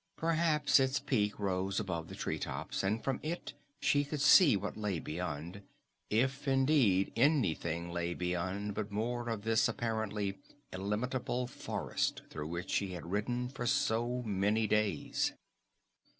Perhaps its peak rose above the tree tops, and from it she could see what lay beyond if, indeed, anything lay beyond but more of this apparently illimitable forest through which she had ridden for so many days.